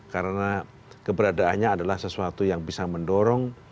karena keberadaannya adalah sesuatu yang bisa mendorong